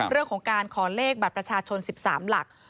เรื่องของการขอเลขบัตรประชาชน๑๓หลัก